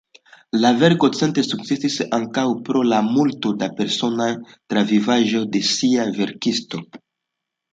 La verko certe sukcesis ankaŭ pro la multo da personaj travivaĵoj de sia verkisto.